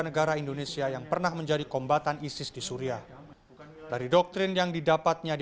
negara indonesia yang pernah menjadi kombatan isis di suria dari doktrin yang didapatnya di